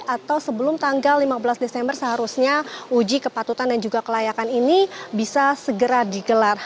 atau sebelum tanggal lima belas desember seharusnya uji kepatutan dan juga kelayakan ini bisa segera digelar